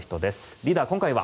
リーダー、今回は？